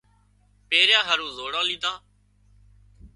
پيريا هارو زوڙان ليڌا